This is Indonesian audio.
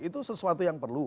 itu sesuatu yang perlu